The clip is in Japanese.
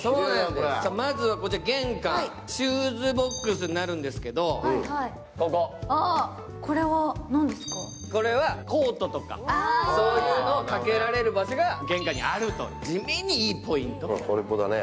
まずは玄関、シューズボックスになるんですけど、ここ、これはコートとかそういうのを掛けられる場所が玄関にあると地味にいいポイント。